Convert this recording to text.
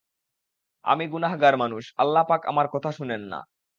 আমি গুনাহগার মানুষ, আল্লাহপাক আমার কথা শুনেন না।